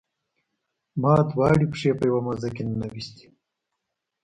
ما دواړه پښې په یوه موزه کې ننویستي.